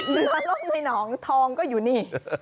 เรือล่มในหนองทองก็อยู่นี่